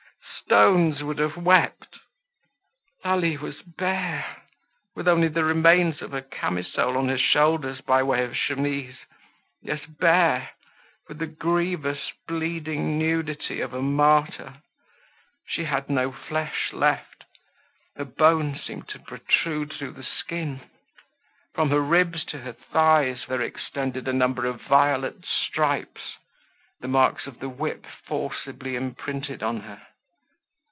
Stones would have wept. Lalie was bare, with only the remnants of a camisole on her shoulders by way of chemise; yes, bare, with the grievous, bleeding nudity of a martyr. She had no flesh left; her bones seemed to protrude through the skin. From her ribs to her thighs there extended a number of violet stripes—the marks of the whip forcibly imprinted on her.